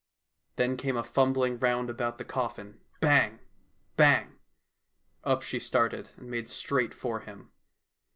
Then came a fumbling round about the coffin — bang ! bang !— up she started, and made straight for him.